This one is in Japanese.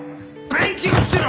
勉強してろ！